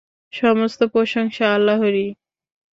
সমস্ত প্রশংসা আল্লাহরই।